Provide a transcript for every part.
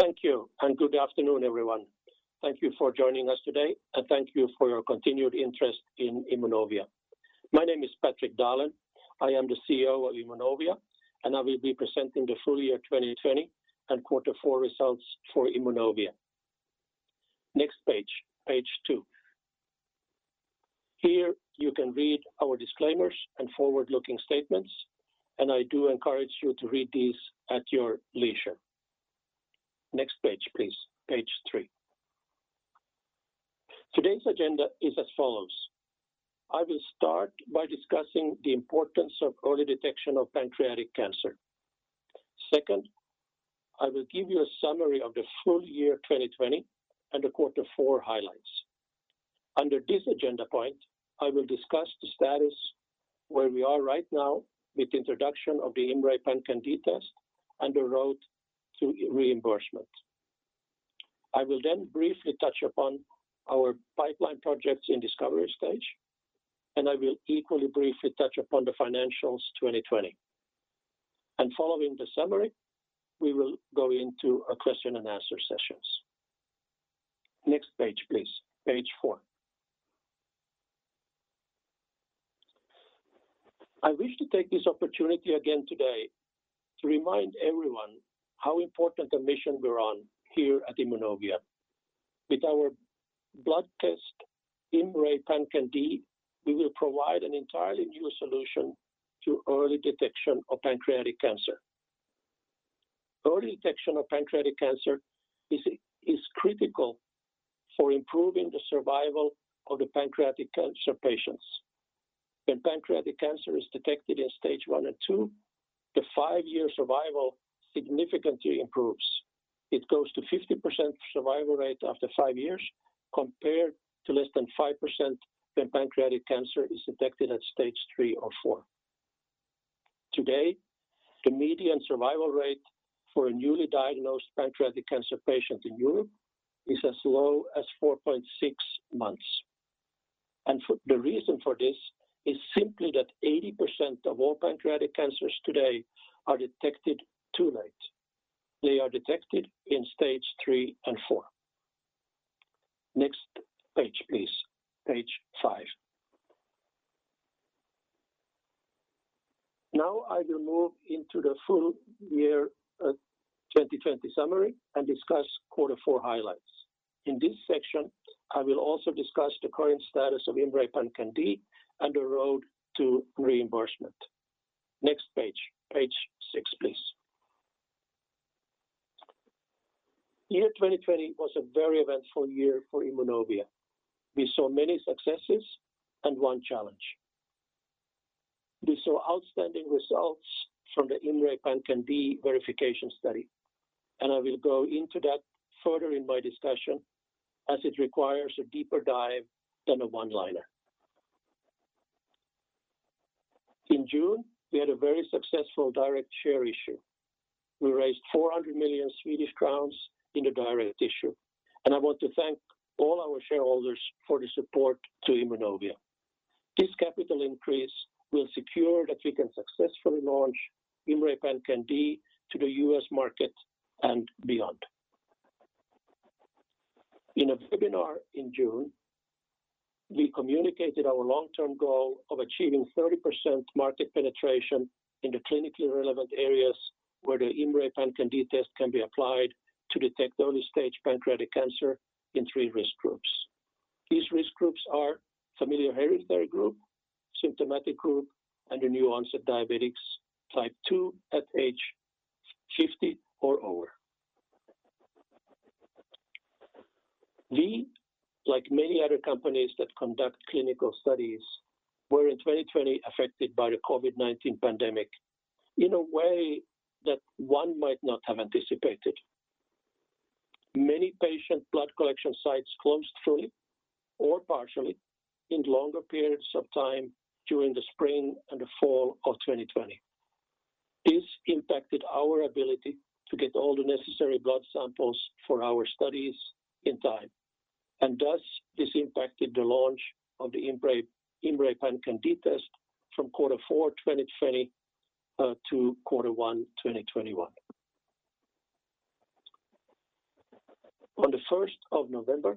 Thank you, good afternoon, everyone. Thank you for joining us today, thank you for your continued interest in Immunovia. My name is Patrik Dahlen. I am the CEO of Immunovia, and I will be presenting the full year 2020 and quarter four results for Immunovia. Next page 2. Here you can read our disclaimers and forward-looking statements, and I do encourage you to read these at your leisure. Next page, please. Page 3. Today's agenda is as follows. I will start by discussing the importance of early detection of pancreatic cancer. Second, I will give you a summary of the full year 2020 and the quarter four highlights. Under this agenda point, I will discuss the status where we are right now with introduction of the IMMray PanCan-d test and the road to reimbursement. I will then briefly touch upon our pipeline projects in discovery stage, and I will equally briefly touch upon the financials 2020. Following the summary, we will go into a question and answer sessions. Next page, please. Page 4. I wish to take this opportunity again today to remind everyone how important the mission we're on here at Immunovia. With our blood test, IMMray PanCan-d, we will provide an entirely new solution to early detection of pancreatic cancer. Early detection of pancreatic cancer is critical for improving the survival of the pancreatic cancer patients. When pancreatic cancer is detected in stage 1 and 2, the five-year survival significantly improves. It goes to 50% survival rate after five years compared to less than 5% when pancreatic cancer is detected at stage 3 or 4. Today, the median survival rate for a newly diagnosed pancreatic cancer patient in Europe is as low as 4.6 months. The reason for this is simply that 80% of all pancreatic cancers today are detected too late. They are detected in stage 3 and 4. Next page, please. Page 5. Now I will move into the full year 2020 summary and discuss quarter four highlights. In this section, I will also discuss the current status of IMMray PanCan-d and the road to reimbursement. Next page 6, please. Year 2020 was a very eventful year for Immunovia. We saw many successes and one challenge. We saw outstanding results from the IMMray PanCan-d verification study, and I will go into that further in my discussion as it requires a deeper dive than a one-liner. In June, we had a very successful direct share issue. We raised 400 million Swedish crowns in the direct issue, and I want to thank all our shareholders for the support to Immunovia. This capital increase will secure that we can successfully launch IMMray PanCan-d to the U.S. market and beyond. In a webinar in June, we communicated our long-term goal of achieving 30% market penetration in the clinically relevant areas where the IMMray PanCan-d test can be applied to detect early-stage pancreatic cancer in three risk groups. These risk groups are familial hereditary group, symptomatic group, and the new onset diabetics type 2 at age 50 or over. We, like many other companies that conduct clinical studies, were in 2020 affected by the COVID-19 pandemic in a way that one might not have anticipated. Many patient blood collection sites closed fully or partially in longer periods of time during the spring and the fall of 2020. This impacted our ability to get all the necessary blood samples for our studies in time, thus this impacted the launch of the IMMray PanCan-d test from quarter four 2020 to quarter one 2021. On the 1st of November,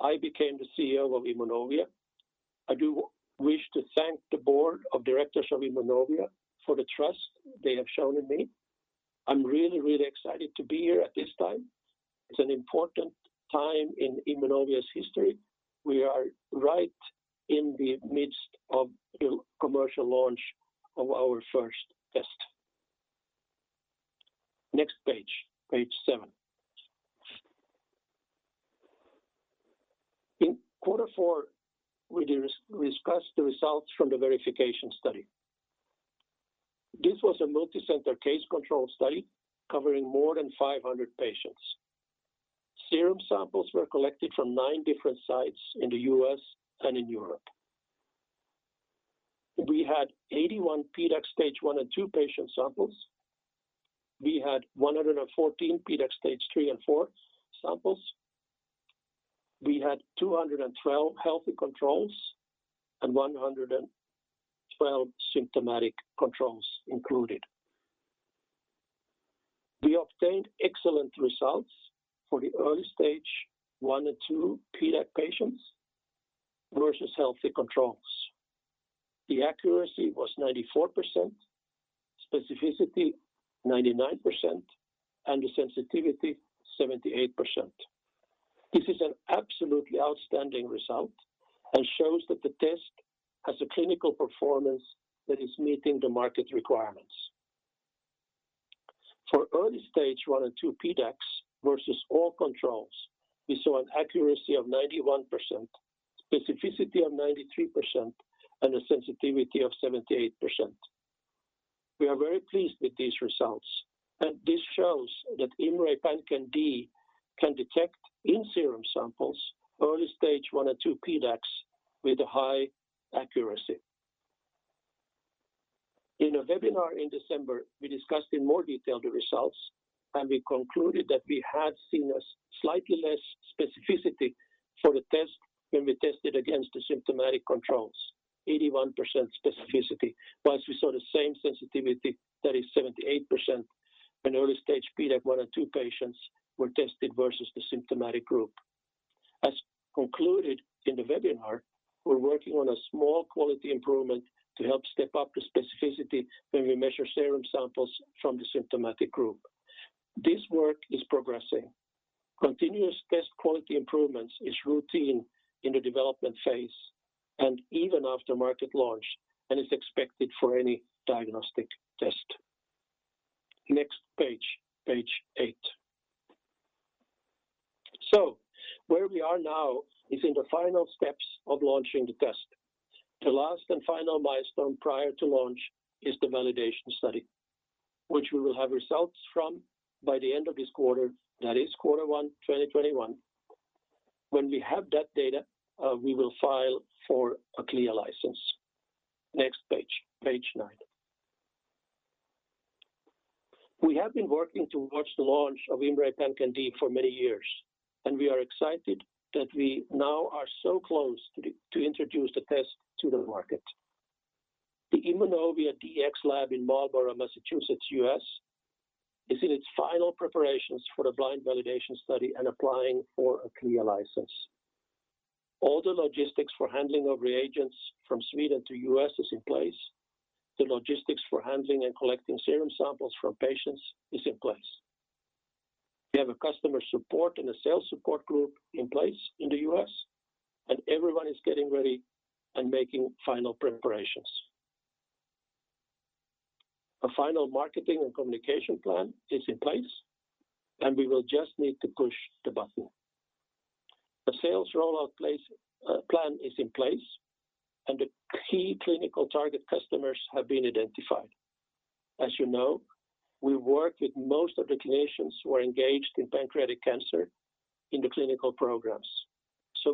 I became the CEO of Immunovia. I do wish to thank the board of directors of Immunovia for the trust they have shown in me. I'm really excited to be here at this time. It's an important time in Immunovia's history. We are right in the midst of the commercial launch of our first test. Next page 7. In quarter four, we discuss the results from the verification study. This was a multi-center case control study covering more than 500 patients. Serum samples were collected from nine different sites in the U.S. and in Europe. We had 81 PDAC stage 1 and 2 patient samples. We had 114 PDAC stage 3 and 4 samples. We had 212 healthy controls and 112 symptomatic controls included. We obtained excellent results for the early-stage 1 and 2 PDAC patients versus healthy controls. The accuracy was 94%, specificity 99%, and the sensitivity 78%. This is an absolutely outstanding result and shows that the test has a clinical performance that is meeting the market requirements. For early-stage 1 and 2 PDACs versus all controls, we saw an accuracy of 91%, specificity of 93%, and a sensitivity of 78%. We are very pleased with these results, and this shows that IMMray PanCan-d can detect in serum samples early stage 1 and 2 PDACs with a high accuracy. In a webinar in December, we discussed in more detail the results, and we concluded that we had seen a slightly less specificity for the test when we tested against the symptomatic controls, 81% specificity. Once we saw the same sensitivity, that is 78%, in early stage PDAC 1 and 2 patients were tested versus the symptomatic group. As concluded in the webinar, we're working on a small quality improvement to help step up the specificity when we measure serum samples from the symptomatic group. This work is progressing. Continuous test quality improvements is routine in the development phase and even after market launch, and is expected for any diagnostic test. Next page 8. Where we are now is in the final steps of launching the test. The last and final milestone prior to launch is the validation study, which we will have results from by the end of this quarter, that is quarter 1 2021. When we have that data, we will file for a CLIA license. Next page 9. We have been working towards the launch of IMMray PanCan-d for many years, and we are excited that we now are so close to introduce the test to the market. The Immunovia Dx lab in Marlborough, Massachusetts, U.S., is in its final preparations for the blind validation study and applying for a CLIA license. All the logistics for handling of reagents from Sweden to U.S. is in place. The logistics for handling and collecting serum samples from patients is in place. We have a customer support and a sales support group in place in the U.S., and everyone is getting ready and making final preparations. A final marketing and communication plan is in place, and we will just need to push the button. A sales rollout plan is in place, and the key clinical target customers have been identified. As you know, we work with most of the clinicians who are engaged in pancreatic cancer in the clinical programs.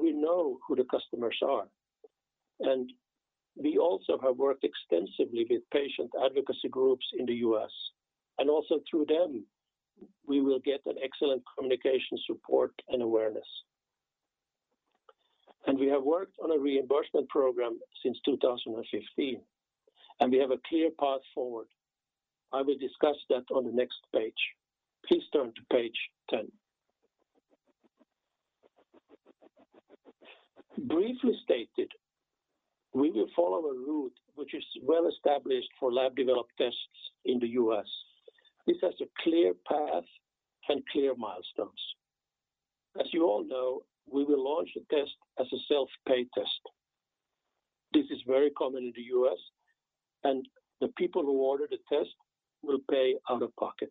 We know who the customers are. We also have worked extensively with patient advocacy groups in the U.S., and also through them, we will get an excellent communication support and awareness. We have worked on a reimbursement program since 2015, and we have a clear path forward. I will discuss that on the next page. Please turn to page 10. Briefly stated, we will follow a route which is well established for lab-developed tests in the U.S. This has a clear path and clear milestones. As you all know, we will launch the test as a self-pay test. This is very common in the U.S., and the people who order the test will pay out of pocket.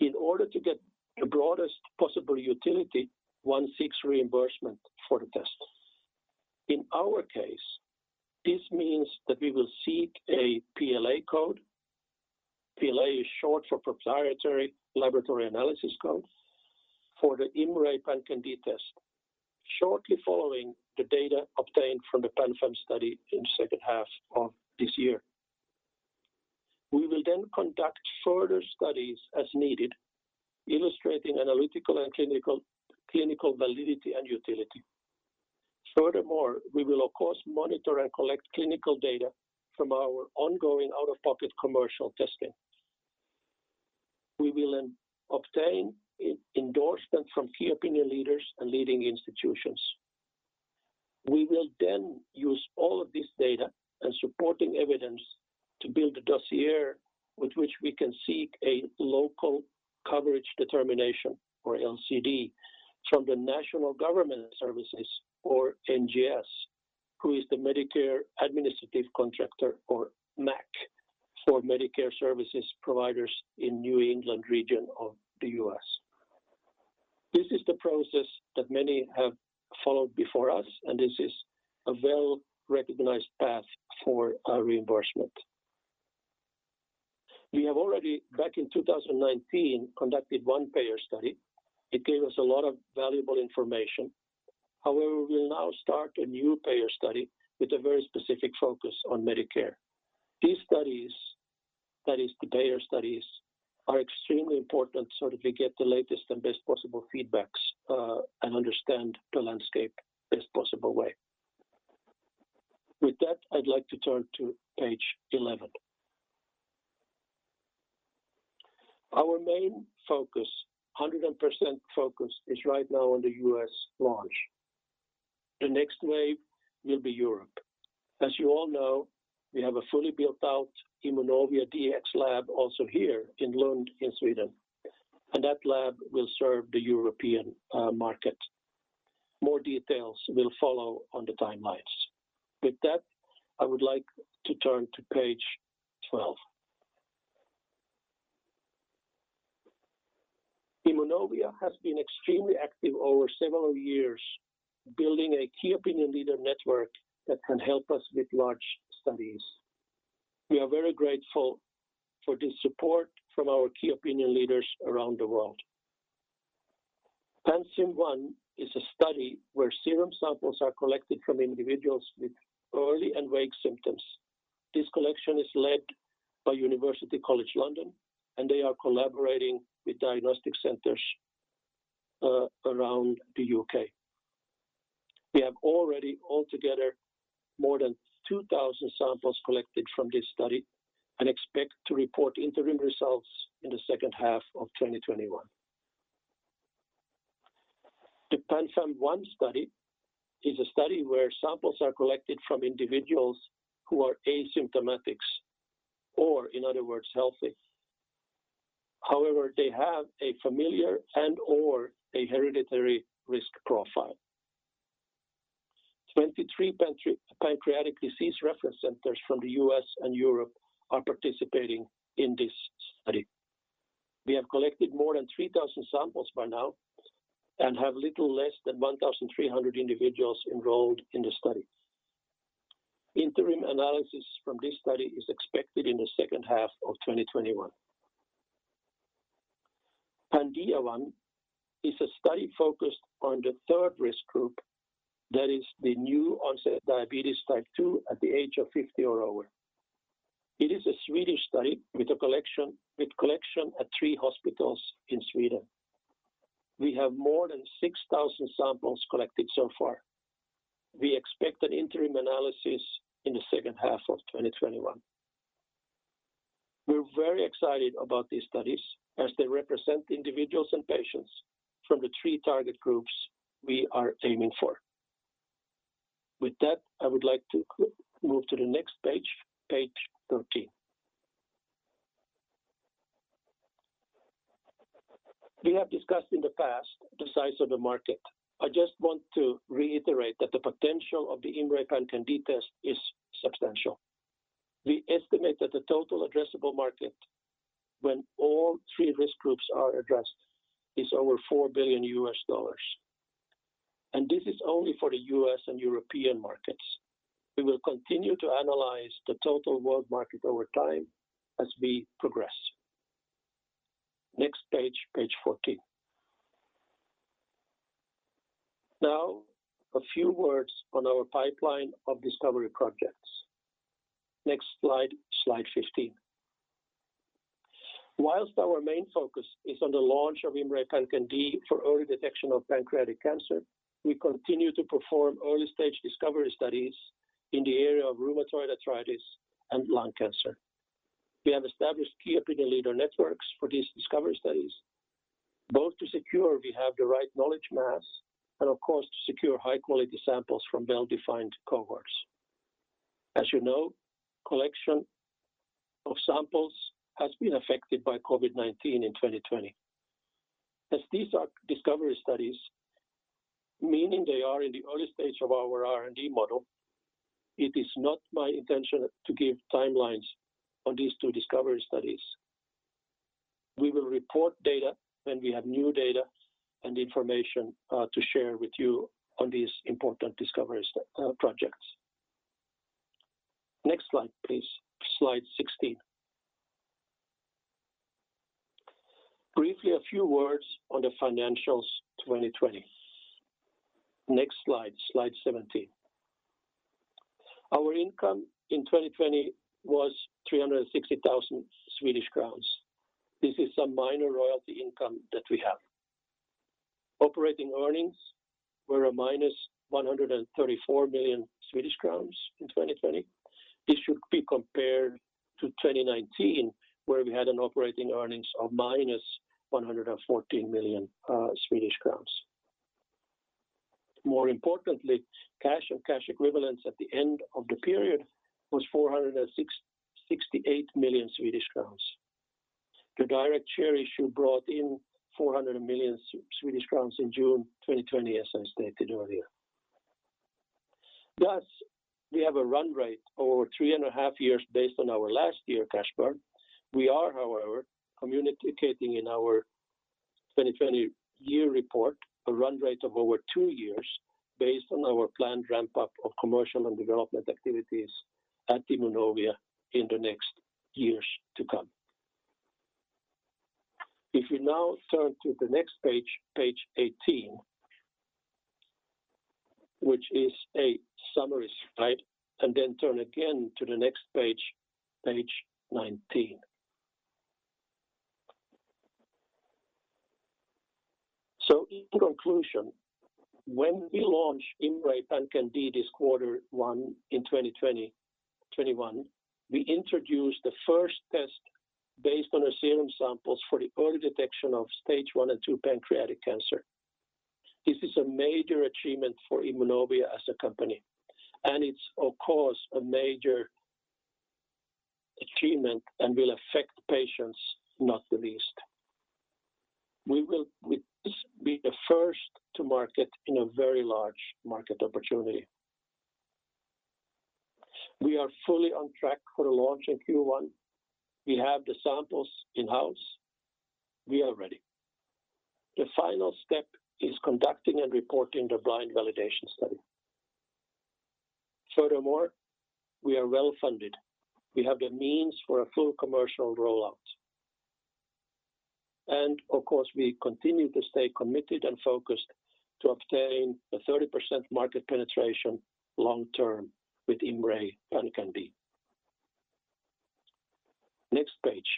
In order to get the broadest possible utility, one seeks reimbursement for the test. In our case, this means that we will seek a PLA code, PLA is short for Proprietary Laboratory Analysis code, for the IMMray PanCan-d test shortly following the data obtained from the PanFAM-1 study in second half of this year. We will then conduct further studies as needed, illustrating analytical and clinical validity and utility. Furthermore, we will of course monitor and collect clinical data from our ongoing out-of-pocket commercial testing. We will obtain endorsement from key opinion leaders and leading institutions. We will use all of this data and supporting evidence to build a dossier with which we can seek a Local Coverage Determination, or LCD, from the National Government Services, or NGS, who is the Medicare Administrative Contractor, or MAC, for Medicare services providers in New England region of the U.S. This is the process that many have followed before us. This is a well-recognized path for a reimbursement. We have already, back in 2019, conducted one payer study. It gave us a lot of valuable information. However, we will now start a new payer study with a very specific focus on Medicare. These studies, that is, the payer studies, are extremely important so that we get the latest and best possible feedbacks, and understand the landscape best possible way. With that, I'd like to turn to page 11. Our main focus, 100% focus, is right now on the U.S. launch. The next wave will be Europe. As you all know, we have a fully built-out Immunovia Dx lab also here in Lund, in Sweden, and that lab will serve the European market. More details will follow on the timelines. With that, I would like to turn to page 12. Immunovia has been extremely active over several years building a key opinion leader network that can help us with large studies. We are very grateful for the support from our key opinion leaders around the world. PanSYM-1 is a study where serum samples are collected from individuals with early and vague symptoms. This collection is led by University College London, and they are collaborating with diagnostic centers around the U.K. We have already altogether more than 2,000 samples collected from this study and expect to report interim results in the second half of 2021. The PanFAM-1 study is a study where samples are collected from individuals who are asymptomatic or, in other words, healthy. However, they have a familiar and/or a hereditary risk profile. 23 pancreatic disease reference centers from the U.S. and Europe are participating in this study. We have collected more than 3,000 samples by now and have little less than 1,300 individuals enrolled in the study. Interim analysis from this study is expected in the second half of 2021. PanDIA-1 is a study focused on the third risk group, that is the new onset diabetes type 2 at the age of 50 or over. It is a Swedish study with collection at three hospitals in Sweden. We have more than 6,000 samples collected so far. We expect an interim analysis in the second half of 2021. We're very excited about these studies as they represent individuals and patients from the three target groups we are aiming for. With that, I would like to move to the next page 13. We have discussed in the past the size of the market. I just want to reiterate that the potential of the IMMray PanCan-d test is substantial. We estimate that the total addressable market, when all three risk groups are addressed, is over $4 billion. This is only for the U.S. and European markets. We will continue to analyze the total world market over time as we progress. Next page 14. Now, a few words on our pipeline of discovery projects. Next slide 15. Whilst our main focus is on the launch of IMMray PanCan-d for early detection of pancreatic cancer, we continue to perform early-stage discovery studies in the area of rheumatoid arthritis and lung cancer. We have established key opinion leader networks for these discovery studies, both to secure we have the right knowledge mass, and of course, to secure high-quality samples from well-defined cohorts. As you know, collection of samples has been affected by COVID-19 in 2020. As these are discovery studies, meaning they are in the early stage of our R&D model, it is not my intention to give timelines on these two discovery studies. We will report data when we have new data and information to share with you on these important discovery projects. Next slide, please. Slide 16. Briefly, a few words on the financials 2020. Next slide 17. Our income in 2020 was 360,000 Swedish crowns. This is some minor royalty income that we have. Operating earnings were a minus 134 million Swedish crowns in 2020. This should be compared to 2019, where we had an operating earnings of minus 114 million Swedish crowns. More importantly, cash or cash equivalents at the end of the period was 468 million Swedish crowns. The direct share issue brought in 400 million Swedish crowns in June 2020, as I stated earlier. Thus, we have a run rate over 3.5 years based on our last year cash burn. We are, however, communicating in our 2020 year report a run rate of over two years based on our planned ramp-up of commercial and development activities at Immunovia in the next years to come. If you now turn to the next page 18, which is a summary slide, and then turn again to the next page 19. In conclusion, when we launch IMMray PanCan-d this quarter one in 2021, we introduce the first test based on serum samples for the early detection of stage 1 and 2 pancreatic cancer. This is a major achievement for Immunovia as a company, and it's of course, a major achievement and will affect patients, not the least. We will be the first to market in a very large market opportunity. We are fully on track for the launch in Q1. We have the samples in-house. We are ready. The final step is conducting and reporting the blind validation study. Furthermore, we are well-funded. We have the means for a full commercial rollout. Of course, we continue to stay committed and focused to obtain a 30% market penetration long-term with IMMray PanCan-d. Next page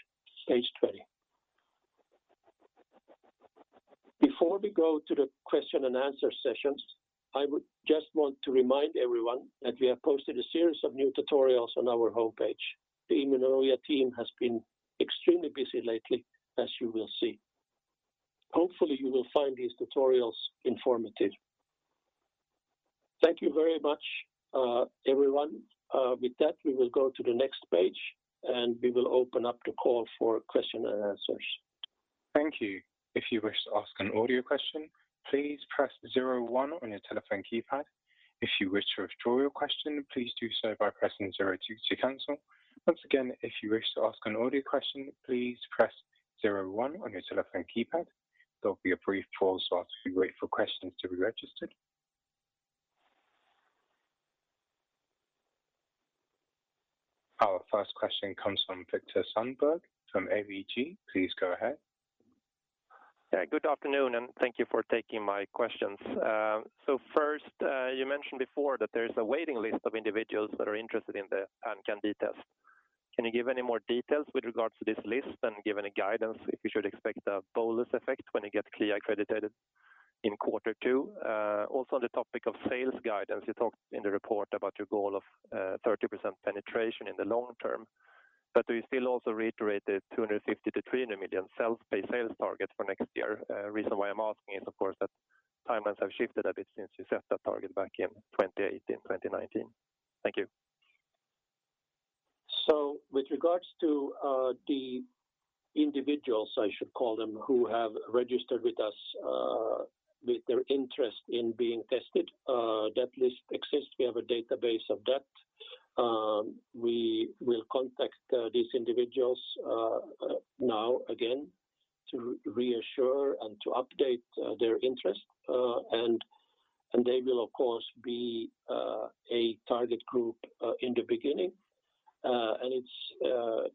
20. Before we go to the question-and-answer sessions, I would just want to remind everyone that we have posted a series of new tutorials on our homepage. The Immunovia team has been extremely busy lately, as you will see. Hopefully, you will find these tutorials informative. Thank you very much, everyone. With that, we will go to the next page, and we will open up the call for question and answers. Thank you. If you wish to ask an audio question, please press zero one on your telephone keypad. If you wish to withdraw your question, please do so by pressing zero two to cancel. Once again, if you wish to ask an audio question, please press zero one on your telephone keypad. There'll be a brief pause while we wait for questions to be registered. Our first question comes from Viktor Sundberg from ABG. Please go ahead. Yeah. Good afternoon, and thank you for taking my questions. First, you mentioned before that there is a waiting list of individuals that are interested in the IMMray PanCan-d test. Can you give any more details with regards to this list and give any guidance if you should expect a bonus effect when it gets CLIA accredited in quarter two? Also, on the topic of sales guidance, you talked in the report about your goal of 30% penetration in the long term. Do you still also reiterate the 250 million-300 million sales-based sales targets for next year? Reason why I'm asking is, of course, that timelines have shifted a bit since you set that target back in 2018, 2019. Thank you. With regards to the individuals, I should call them, who have registered with us with their interest in being tested, that list exists. We have a database of that. We will contact these individuals now again to reassure and to update their interest. They will, of course, be a target group in the beginning. It's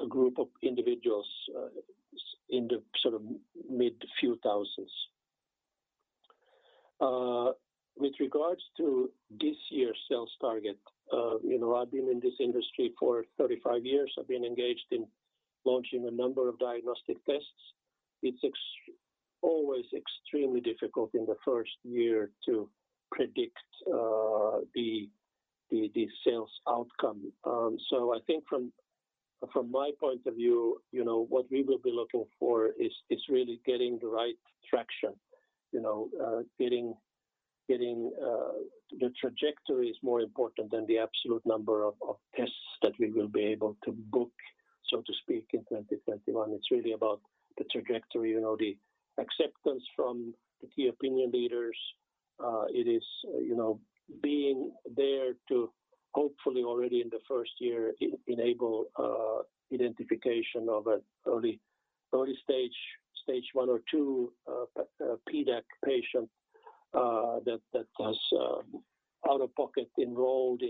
a group of individuals in the mid few thousands. With regards to this year's sales target, I've been in this industry for 35 years. I've been engaged in launching a number of diagnostic tests. It's always extremely difficult in the first year to predict the sales outcome. I think from my point of view, what we will be looking for is really getting the right traction. The trajectory is more important than the absolute number of tests that we will be able to book, so to speak, in 2021. It's really about the trajectory, the acceptance from the key opinion leaders. It is being there to hopefully already in the first year enable identification of an early stage 1 or 2 PDAC patient that has out-of-pocket enrolled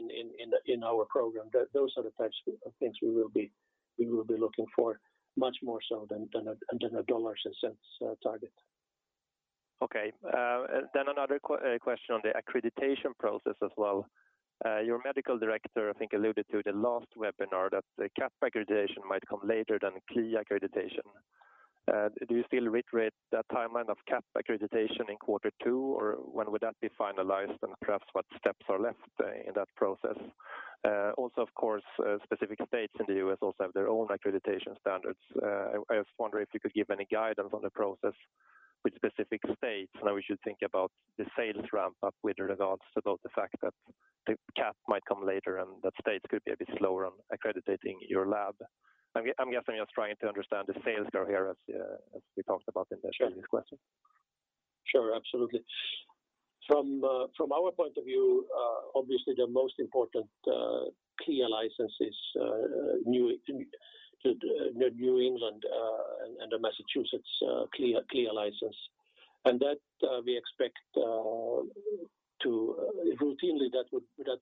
in our program. Those are the types of things we will be looking for much more so than a dollars and cents target. Another question on the accreditation process as well. Your medical director, I think, alluded to the last webinar that the CAP accreditation might come later than CLIA accreditation. Do you still reiterate that timeline of CAP accreditation in quarter two, or when would that be finalized and perhaps what steps are left in that process? Also, of course, specific states in the U.S. also have their own accreditation standards. I was wondering if you could give any guidance on the process with specific states, and how we should think about the sales ramp up with regards to both the fact that the CAP might come later and that states could be a bit slower on accrediting your lab. I'm guessing just trying to understand the sales curve here as we talked about in the previous question. Sure, absolutely. From our point of view, obviously the most important CLIA license is the New England and the Massachusetts CLIA license. That we expect to routinely that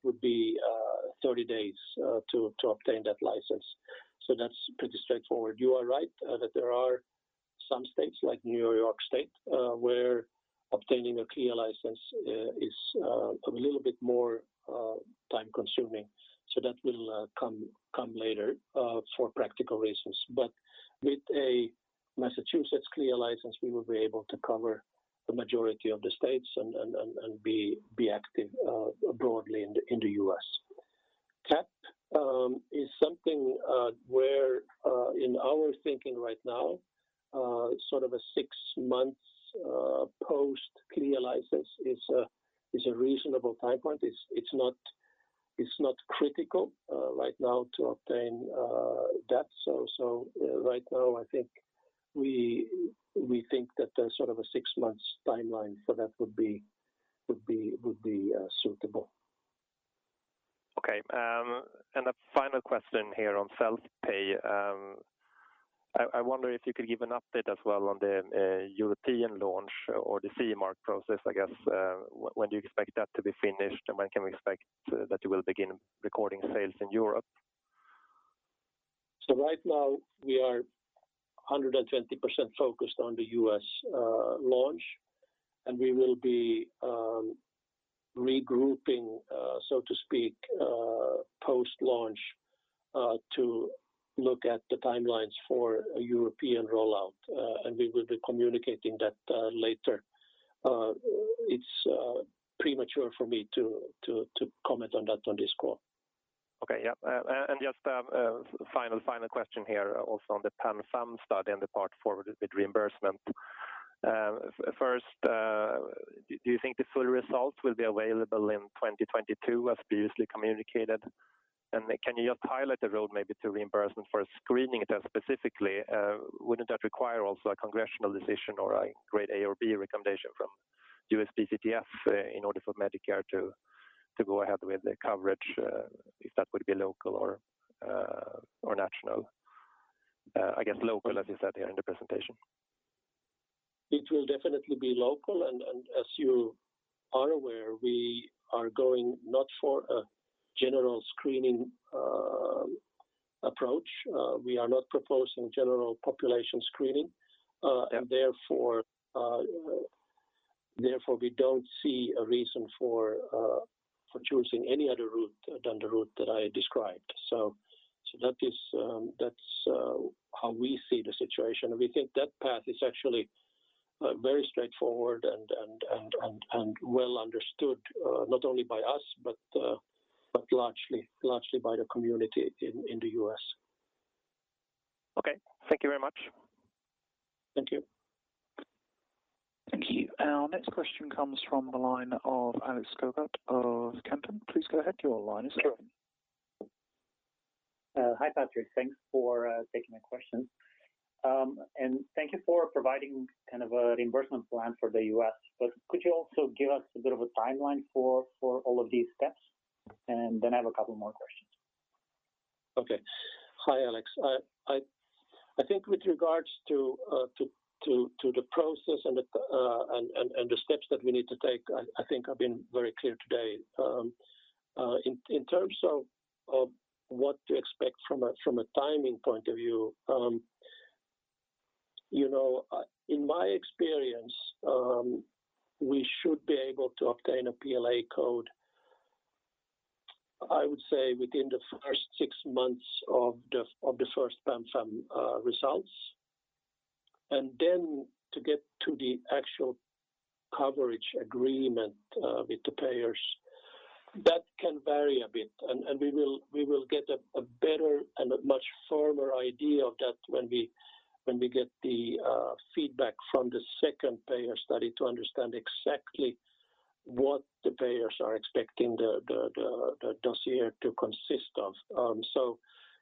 would be 30 days to obtain that license. That's pretty straightforward. You are right that there are some states like New York State where obtaining a CLIA license is a little bit more time-consuming. That will come later for practical reasons. With a Massachusetts CLIA license, we will be able to cover the majority of the states and be active broadly in the U.S. CAP is something where in our thinking right now sort of a six months post CLIA license is a reasonable time point. It's not critical right now to obtain that. Right now I think we think that there's sort of a 6 months timeline for that would be suitable. Okay. A final question here on self-pay. I wonder if you could give an update as well on the European launch or the CE mark process, I guess. When do you expect that to be finished, and when can we expect that you will begin recording sales in Europe? Right now we are 120% focused on the U.S. launch, and we will be regrouping so to speak post-launch to look at the timelines for a European rollout. We will be communicating that later. It's premature for me to comment on that on this call. Okay. Yep. Just a final question here also on the PanFAM study and the path forward with reimbursement. First, do you think the full results will be available in 2022 as previously communicated? Can you just highlight the road maybe to reimbursement for screening test specifically? Wouldn't that require also a congressional decision or a Grade A or B recommendation from USPSTF in order for Medicare to go ahead with the coverage if that would be local or national? I guess local as you said here in the presentation. It will definitely be local. As you are aware, we are going not for a general screening approach. We are not proposing general population screening, and therefore we don't see a reason for choosing any other route than the route that I described. That's how we see the situation, and we think that path is actually very straightforward and well understood not only by us but largely by the community in the U.S. Okay. Thank you very much. Thank you. Thank you. Our next question comes from the line of Alex Cogut of Kempen. Please go ahead. Sure. Hi, Patrik. Thanks for taking my question. Thank you for providing kind of a reimbursement plan for the U.S., but could you also give us a bit of a timeline for all of these steps? I have a couple more questions. Okay. Hi, Alex. I think with regards to the process and the steps that we need to take, I think I've been very clear today. In terms of what to expect from a timing point of view, in my experience we should be able to obtain a PLA code I would say within the first six months of the first PanFAM results. To get to the actual coverage agreement with the payers, that can vary a bit, and we will get a better and a much firmer idea of that when we get the feedback from the second payer study to understand exactly what the payers are expecting the dossier to consist of.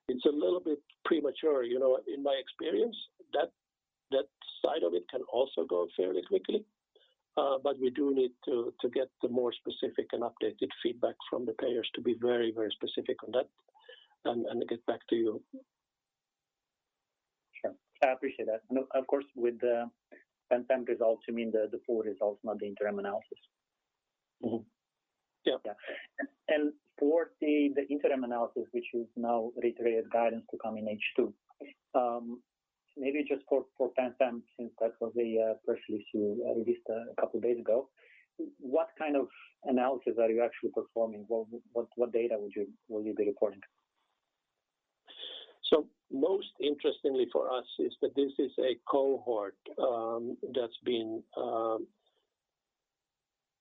It's a little bit premature. In my experience, that side of it can also go fairly quickly. We do need to get the more specific and updated feedback from the payers to be very specific on that and to get back to you. Sure. I appreciate that. Of course, with the PanFAM results, you mean the full results, not the interim analysis? Yep. Yeah. For the interim analysis, which is now reiterated guidance to come in H2, maybe just for PanFAM since that was a press release you released a couple of days ago, what kind of analysis are you actually performing? What data will you be reporting? Most interestingly for us is that this is a cohort that's been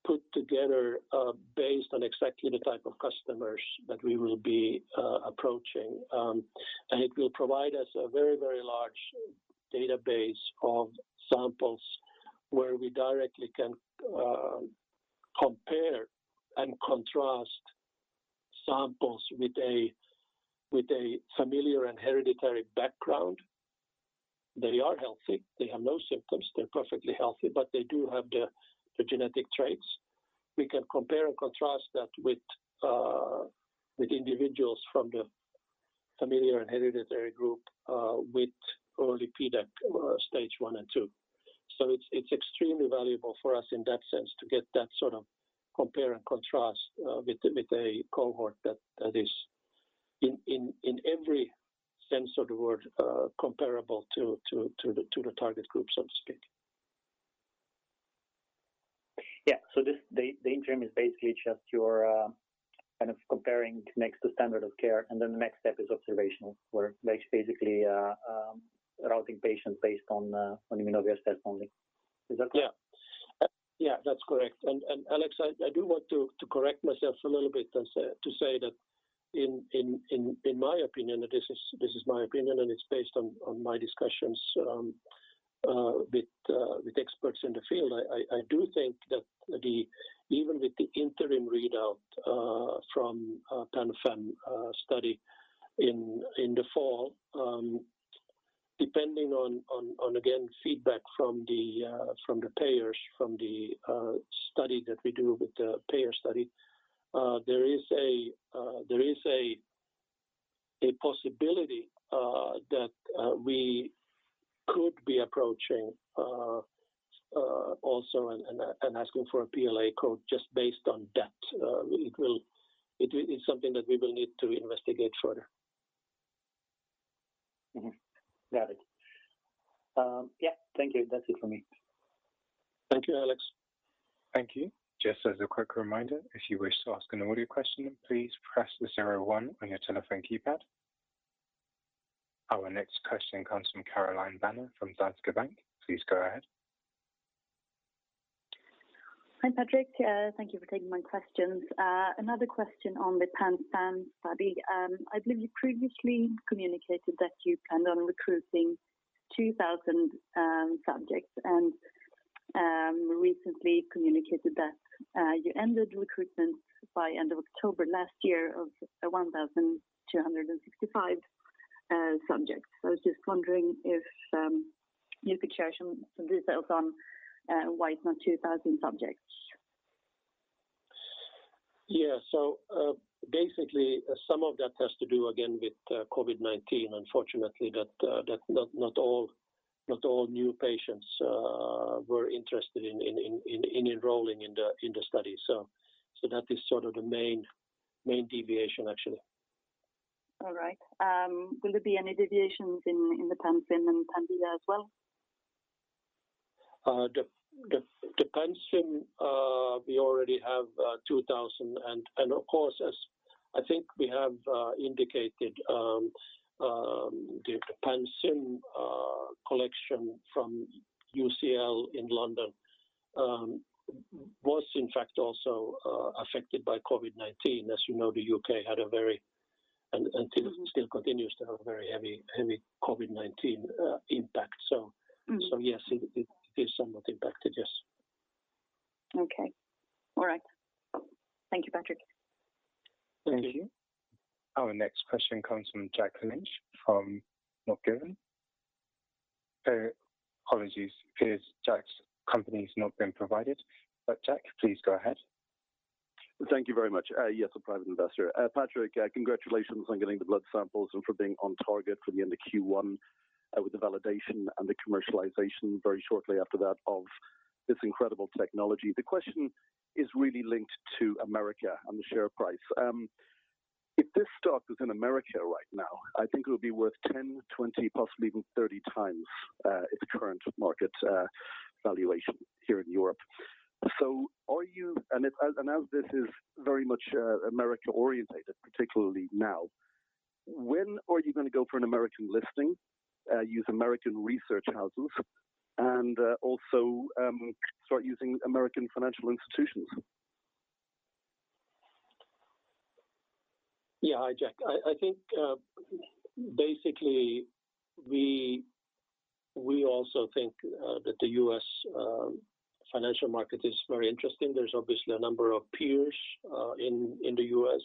put together based on exactly the type of customers that we will be approaching. It will provide us a very large database of samples where we directly can compare and contrast samples with a familiar and hereditary background. They are healthy. They have no symptoms. They're perfectly healthy, but they do have the genetic traits. We can compare and contrast that with individuals from the familiar and hereditary group with early PDAC stage 1 and 2. It's extremely valuable for us in that sense to get that sort of compare and contrast with a cohort that is in every sense of the word comparable to the target groups, obviously. Yeah. The interim is basically just you're kind of comparing next to standard of care, and then the next step is observational, where basically routing patients based on Immunovia's test only. Is that correct? Yeah. That's correct. Alex, I do want to correct myself a little bit to say that in my opinion, and this is my opinion, and it's based on my discussions with experts in the field, I do think that even with the interim readout from PanFAM study in the fall, depending on, again, feedback from the payers, from the study that we do with the payer study, there is a possibility that we could be approaching also and asking for a PLA code just based on that. It is something that we will need to investigate further. Got it. Yeah. Thank you. That's it from me. Thank you, Alex. Thank you. Just as a quick reminder, if you wish to ask an audio question, please press the zero one on your telephone keypad. Our next question comes from Caroline Banér from DNB. Please go ahead. Hi, Patrik. Thank you for taking my questions. Another question on the PanFAM study. I believe you previously communicated that you planned on recruiting 2,000 subjects and recently communicated that you ended recruitment by end of October last year of 1,265 subjects. I was just wondering if you could share some details on why it's not 2,000 subjects. Yeah. Basically, some of that has to do, again, with COVID-19, unfortunately, that not all new patients were interested in enrolling in the study. That is sort of the main deviation, actually. All right. Will there be any deviations in the PanSym and PanDIA-1 as well? The PanSym, we already have 2,000, and of course, as I think we have indicated, the PanSym collection from UCL in London was in fact also affected by COVID-19. As you know, the U.K. had a very, and still continues to have a very heavy COVID-19 impact. Yes, it is somewhat impacted, yes. Okay. All right. Thank you, Patrik. Thank you. Our next question comes from Jack Lynch from Not Given. Apologies, Jack's company's not been provided. Jack, please go ahead. Thank you very much. Yes, a private investor. Patrik, congratulations on getting the blood samples and for being on target for the end of Q1 with the validation and the commercialization very shortly after that of this incredible technology. The question is really linked to America and the share price. If this stock was in America right now, I think it would be worth 10, 20, possibly even 30 times its current market valuation here in Europe. As this is very much America-oriented, particularly now, when are you going to go for an American listing, use American research houses, and also start using American financial institutions? Yeah. Hi, Jack. I think basically we also think that the U.S. financial market is very interesting. There's obviously a number of peers in the U.S.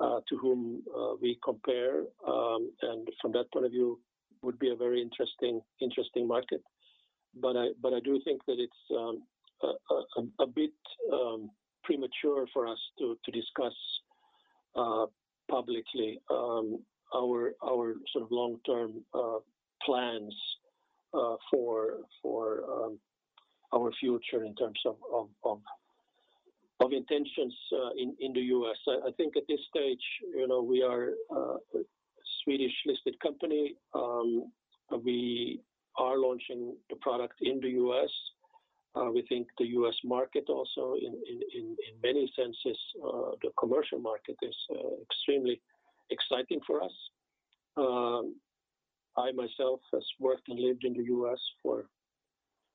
to whom we compare, and from that point of view, would be a very interesting market. I do think that it's a bit premature for us to discuss publicly our sort of long-term plans for our future in terms of intentions in the U.S. I think at this stage, we are a Swedish-listed company. We are launching the product in the U.S. We think the U.S. market also in many senses, the commercial market is extremely exciting for us. I myself have worked and lived in the U.S. for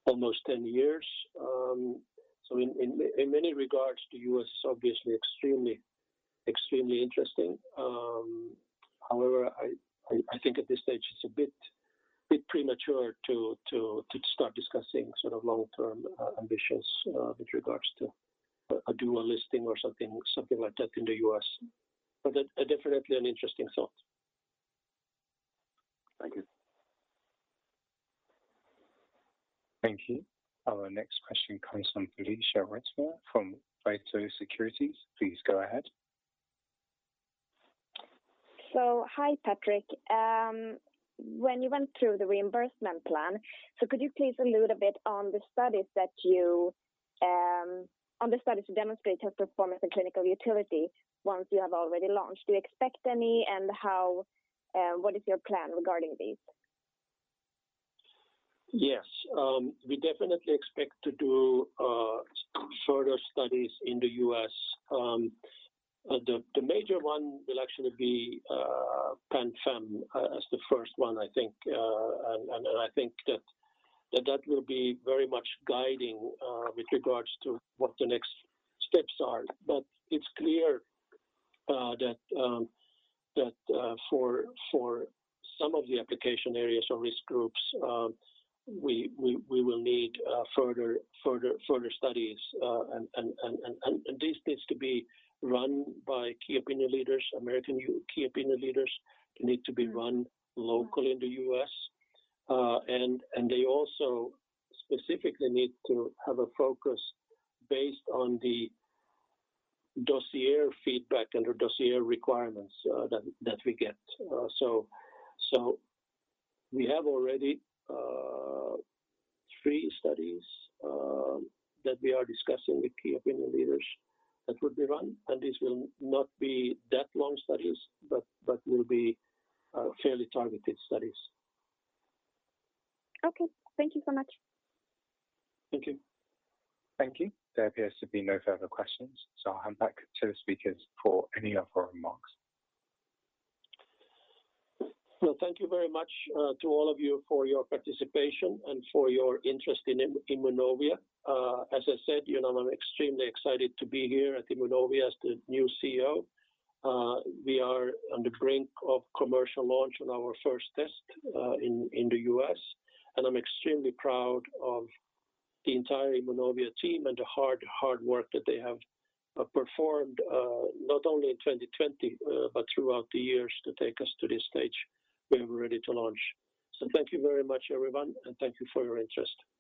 almost 10 years. In many regards, the U.S. is obviously extremely interesting. I think at this stage it's a bit premature to start discussing sort of long-term ambitions with regards to a dual listing or something like that in the U.S. Definitely an interesting thought. Thank you. Thank you. Our next question comes from Felicia Rittemar from Vator Securities. Please go ahead. Hi, Patrik. When you went through the reimbursement plan, could you please allude a bit on the studies to demonstrate health performance and clinical utility once you have already launched? Do you expect any, and what is your plan regarding these? Yes. We definitely expect to do further studies in the U.S. The major one will actually be PanFAM as the first one, I think. I think that will be very much guiding with regards to what the next steps are. It's clear that for some of the application areas or risk groups, we will need further studies, and this needs to be run by American key opinion leaders. They need to be run locally in the U.S., and they also specifically need to have a focus based on the dossier feedback under dossier requirements that we get. We have already three studies that we are discussing with key opinion leaders that would be run, and these will not be that long studies, but will be fairly targeted studies. Okay. Thank you so much. Thank you. Thank you. There appears to be no further questions, so I'll hand back to the speakers for any further remarks. Thank you very much to all of you for your participation and for your interest in Immunovia. As I said, I'm extremely excited to be here at Immunovia as the new CEO. We are on the brink of commercial launch on our first test in the U.S., and I'm extremely proud of the entire Immunovia team and the hard work that they have performed, not only in 2020 but throughout the years to take us to this stage where we're ready to launch. Thank you very much, everyone, and thank you for your interest. Thank you